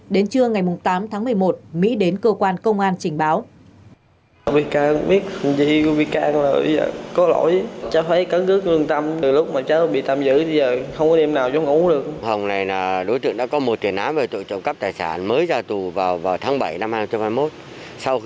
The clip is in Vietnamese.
đến trưa ngày tám tháng một mươi một mỹ đến cơ quan công an trình báo